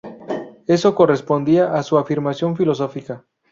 Eso correspondía a su afirmación filosófica.